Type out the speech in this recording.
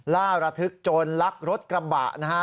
ล่าระทึกโจรลักรถกระบะนะฮะ